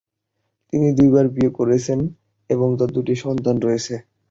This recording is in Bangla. তিনি দুইবার বিয়ে করেছেন এবং তার দুই সন্তান রয়েছে।